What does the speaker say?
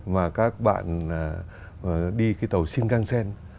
mà các bạn đi cái tàu shinkansen